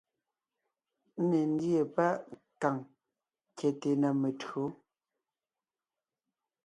Ńne ńdíe páʼ kàŋ kyɛte na metÿǒ,